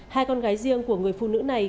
hai con gái riêng của người phụ nữ này